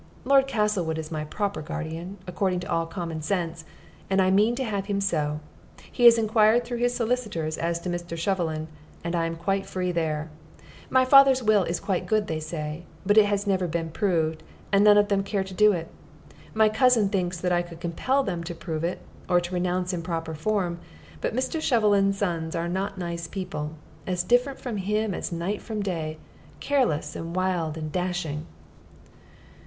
"Lord Castlewood is my proper guardian, according to all common sense, and I mean to have him so. He has inquired through his solicitors as to Mr. Shovelin, and I am quite free there. My father's will is quite good, they say; but it never has been proved, and none of them care to do it. My cousin thinks that I could compel them to prove it, or to renounce in proper form; but Mr. Shovelin's sons are not nice people as different from him as night from day, careless and wild and dashing."